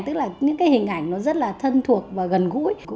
tức là những cái hình ảnh nó rất là thân thuộc và gần gũi